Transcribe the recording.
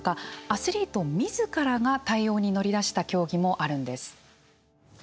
アスリートみずからが対応に乗り出した競技もあるんです。